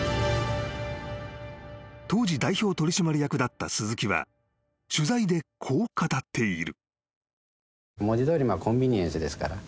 ［当時代表取締役だった鈴木は取材でこう語っている］